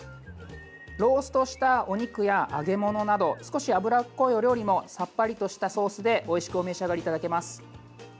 ローストしたお肉や揚げ物など少し脂っこいお料理もさっぱりとしたソースでおいしくお召し上がりいただけます。